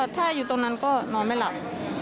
ถ้าอยู่ตรงนั้นก็นอนไม่หลับ